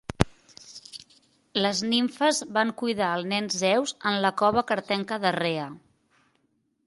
Les nimfes van cuidar al nen Zeus en la cova cretenca de Rhea.